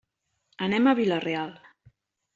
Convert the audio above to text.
Anem a Vila-real.